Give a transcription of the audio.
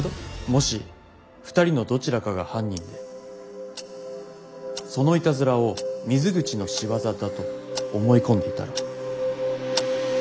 もし２人のどちらかが犯人でそのイタズラを水口の仕業だと思い込んでいたら。